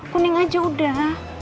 kuning aja udah